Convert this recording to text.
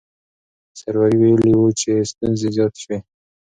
سروري ویلي وو چې ستونزې زیاتې شوې.